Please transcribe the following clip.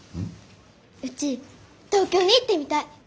うち東京に行ってみたい！